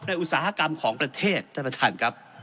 อุตสาหกรรมของประเทศท่านประธานครับ